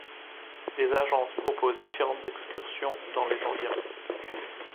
Des agences proposent différentes excursions dans les environs.